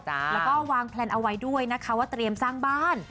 แล้วก็วางแพลนเอาไว้ด้วยนะคะว่าเตรียมสร้างบ้าน